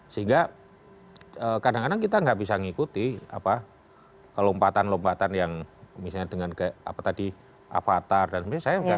sehingga kadang kadang kita nggak bisa ngikuti kelompatan kelompatan yang misalnya dengan kayak apa tadi avatar dan semisal